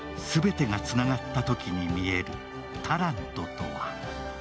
全てがつながったときに見えるタラントとは。